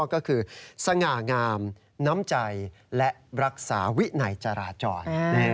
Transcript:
ก็คือสง่างามน้ำใจและรักษาวินัยจราจร